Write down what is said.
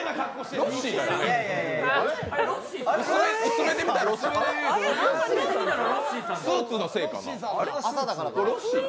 薄目で見たらスーツのせいかな。